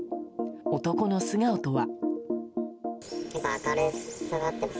男の素顔とは。